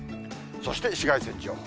そして紫外線情報。